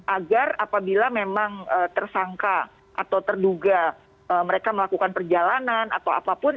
agar apabila memang tersangka atau terduga mereka melakukan perjalanan atau apapun